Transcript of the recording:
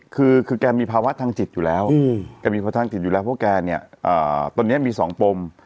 คือแกมีภาวะทางจิตอยู่แล้วเพราะแกตอนนี้มี๒ปม